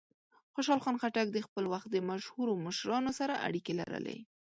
خوشحال خان خټک د خپل وخت د مشهورو مشرانو سره اړیکې لرلې.